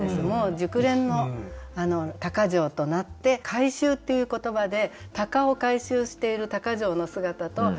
もう熟練の鷹匠となって「回収」っていう言葉で鷹を回収している鷹匠の姿と。